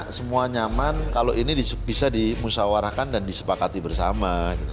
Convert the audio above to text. karena semua nyaman kalau ini bisa dimusawarakan dan disepakati bersama